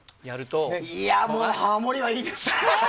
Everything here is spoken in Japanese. いや、もうハモリはいいです。